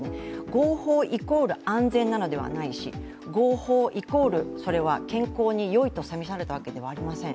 合法イコール安全なのではないし、合法イコールそれは健康に良いと示されたわけではありません。